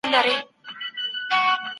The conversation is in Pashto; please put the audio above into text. کړکۍ د شمال په واسطه ښورېږي.